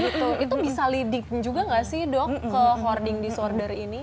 itu bisa leading juga nggak sih dok ke hoarding disorder ini